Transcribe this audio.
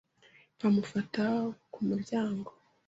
Bamufata ku muryango.